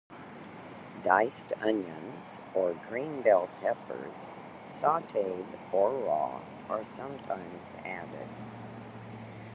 Diced onions or green bell peppers, sauteed or raw, are sometimes added.